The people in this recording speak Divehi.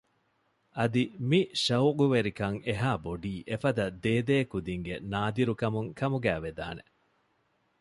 އަދި މި ޝައުޤުވެރިކަން އެހާ ބޮޑީ އެފަދަ ދޭދޭ ކުދިންގެ ނާދިރު ކަމުން ކަމުގައި ވެދާނެ